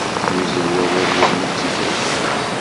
Yuzzel wawal yerna d tikerkas